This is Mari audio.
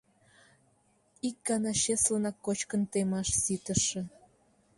Ик гана чеслынак кочкын темаш ситыше.